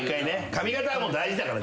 髪形大事だから。